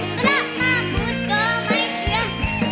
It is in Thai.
พระมาพูดก็ไม่เชื่อ